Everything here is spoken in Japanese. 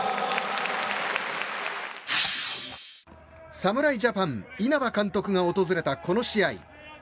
侍ジャパン、稲葉監督が訪れたこの試合。